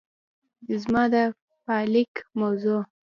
زما د پايليک موضوع